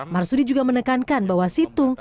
marsudi juga menekankan bahwa situng